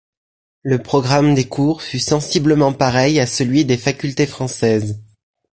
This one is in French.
Le programme des cours fut sensiblement pareil à celui des facultés françaises.